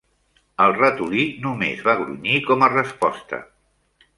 El ratolí només va grunyir com a resposta.